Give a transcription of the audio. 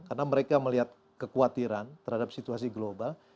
karena mereka melihat kekhawatiran terhadap situasi global